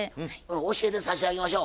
教えてさしあげましょう。